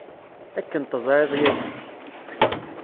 Akken teẓriḍ yagi.